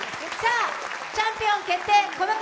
チャンピオン決定、この方！